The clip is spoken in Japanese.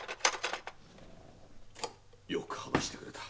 よく話してくれた。